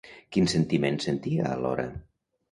Quins sentiments sentia alhora?